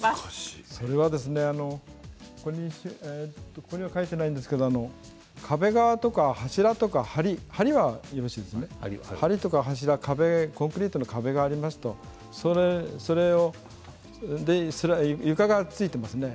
ここには書いていないんですけど壁側とか、柱とか、はりコンクリートの壁などがありますと床がついていますよね。